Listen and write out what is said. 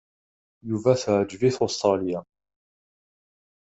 Yuba teɛǧeb-it Ustṛalya.